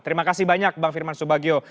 terima kasih banyak bang firman subagio